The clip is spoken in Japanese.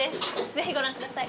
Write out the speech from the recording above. ぜひご覧ください。